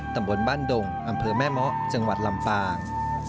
ตำบลบ้านดงอำเภอแม่เมาะจังหวัดลำปาง